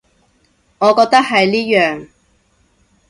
我覺得係呢樣